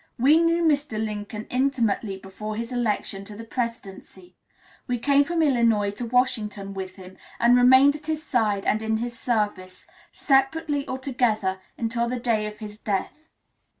We knew Mr. Lincoln intimately before his election to the Presidency. We came from Illinois to Washington with him, and remained at his side and in his service separately or together until the day of his death.